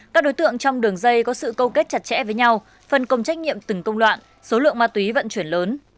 các đối tượng trong đường dây có sự câu kết chặt chẽ với nhau phân công trách nhiệm từng công đoạn số lượng ma túy vận chuyển lớn